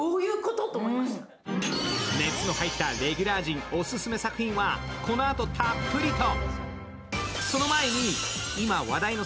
熱の入ったレギュラー陣オススメ作品はこのあとたっぷりと。